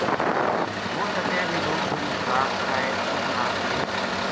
ہو سکے ویہ لوک جہڑی خوراک کھائے اس نال پیٹ